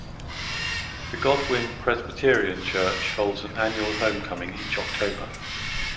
The Godwin Presbyterian Church holds an annual homecoming each October.